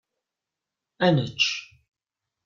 Ad nečč.